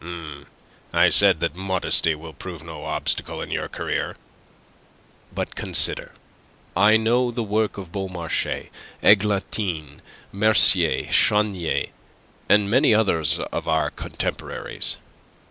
"I said that modesty will prove no obstacle in your career." "But consider. I know the work of Beaumarchais, Eglantine, Mercier, Chenier, and many others of our contemporaries.